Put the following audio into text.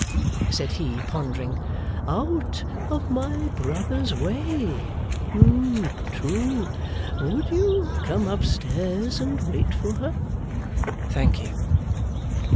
said he, pondering. 'Out of my brother's way? True. Would you come up stairs and wait for her?' 'Thank you.